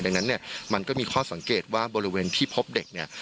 ดังนั้นเนี่ยมันก็มีข้อสังเกตว่าบริเวณที่พบเด็กเนี่ย